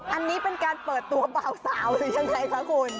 อันนี้เป็นการเปิดตัวเบาสาวหรือยังไงคะคุณ